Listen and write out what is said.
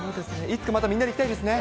いつかまたみんなで行きたいですね。